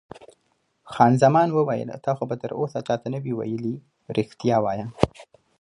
خان زمان وویل: تا خو به تراوسه چا ته نه وي ویلي؟ رښتیا وایه.